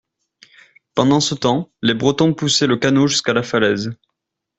Pendant ce temps, les Bretons poussaient le canot jusqu'à la falaise.